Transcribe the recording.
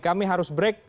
kami harus break